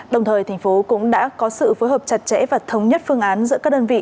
đồng thời thành phố cũng đã có sự phối hợp chặt chẽ và thống nhất phương án giữa các đơn vị